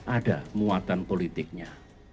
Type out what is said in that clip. ada muatan politiknya